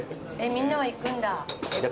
みんなは行くんだ。